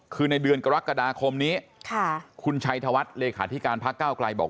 คือในเดือนกรกฎาคมนี้คุณชัยธวัฒน์เลขาธิการพักก้าวไกลบอก